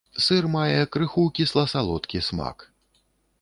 Сыр мае крыху кісла-салодкі смак.